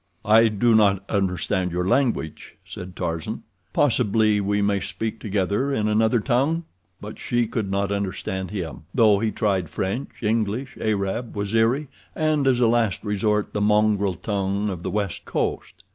"I do not understand your language," said Tarzan. "Possibly we may speak together in another tongue?" But she could not understand him, though he tried French, English, Arab, Waziri, and, as a last resort, the mongrel tongue of the West Coast.